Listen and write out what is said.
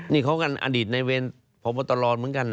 นี่เขากันอดีตในเวรพบตรเหมือนกันนะ